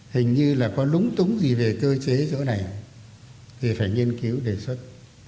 hình như là có lúng túng gì về cơ chế chỗ này thì phải nghiên cứu đề xuất